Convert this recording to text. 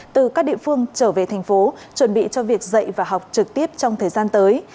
từ các địa phương trở về thành phố chuẩn bị cho việc dạy và học trực tiếp trong thời gian tới